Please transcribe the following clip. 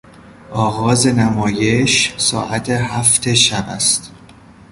آغاز نمایش ساعت هفت شب است.